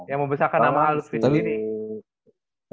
ya membesarkan nama hal seperti ini